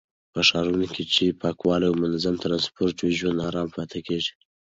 په ښارونو کې چې پاکوالی او منظم ټرانسپورټ وي، ژوند آرام پاتې کېږي.